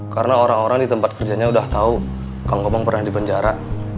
karena orang orang di tempat kerjanya udah tahu kang gobang pernah di penjara